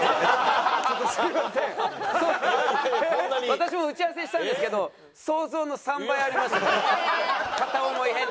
私も打ち合わせしたんですけど想像の３倍ありましたから片思い遍歴。